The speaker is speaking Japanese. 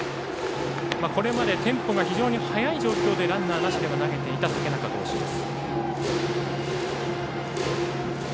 これまでテンポが非常に早い状況でランナーなしで投げていた竹中投手です。